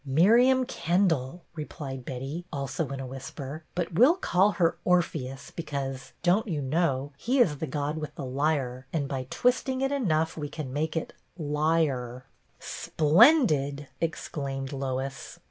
'*"" Miriam Kendall," replied Betty, also in a whisper, " but we 'll call her Orpheus be cause, don't you know, he is the god with the lye, and by twisting it enough we can make it 'liar.' " 86 BETTY BAIRD " Splendid !" exclaimed Lois.